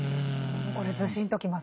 もうこれずしんときますね。